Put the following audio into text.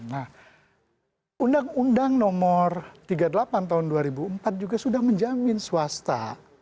nah undang undang nomor tiga puluh delapan tahun dua ribu empat juga sudah menjamin swasta